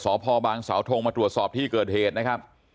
สพบางสาวทงมาตรวจสอบที่เกิดเหตุนะครับ